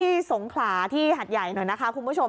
สงขลาที่หัดใหญ่หน่อยนะคะคุณผู้ชม